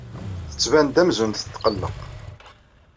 Tettban-d amzun tetqelleq.